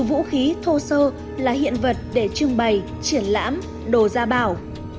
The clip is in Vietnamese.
trừ vũ khí thô sơ là hiện vật để trưng bày triển lãm đồ ra bảo